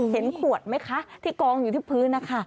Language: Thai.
เห็นขวดไหมคะที่กองอยู่ที่พื้นนะคะ